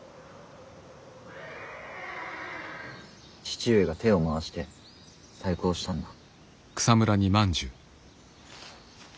父上が手を回して細工をしたんだ。